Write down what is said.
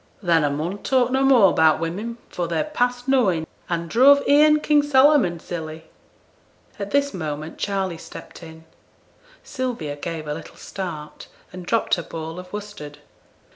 'Then a mun talk no more 'bout women, for they're past knowin', an' druv e'en King Solomon silly.' At this moment Charley stepped in. Sylvia gave a little start and dropped her ball of worsted.